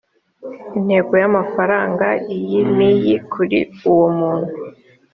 intego y’amafaranga iyi n’iyi kuri uwo muntu